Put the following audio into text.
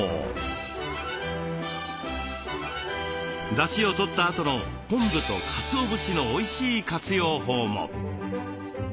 だしをとったあとの昆布とかつお節のおいしい活用法も。